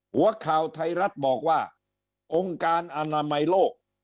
หัวข่าวไทยรัฐบอกว่าองค์การอนามัยโลก